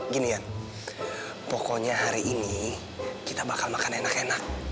gini ya pokoknya hari ini kita bakal makan enak enak